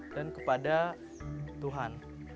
dan kepada tuhan